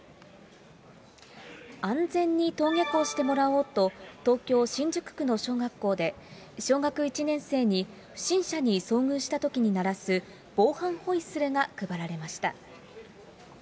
安全に登下校してもらおうと、東京・新宿区の小学校で、小学１年生に不審者に遭遇したときに鳴らす防犯ホイッスルが配られました。